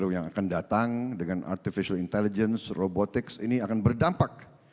yang akan datang dengan artificial intelligence robotics ini akan berdampak